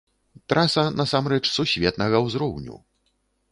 Траса насамрэч сусветнага узроўню.